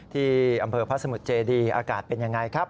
ที่อำเภอพระสมุทรเจดีอากาศเป็นยังไงครับ